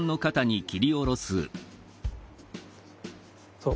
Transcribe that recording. そう。